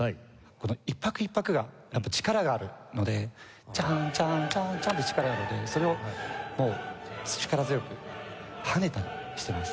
この一拍一拍がやっぱ力があるので「チャンチャンチャンチャン」って力があるのでそれをもう力強く跳ねたりしてます。